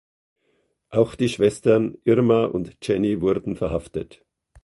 Auch die Schwestern Irma und Jenny wurden verhaftet.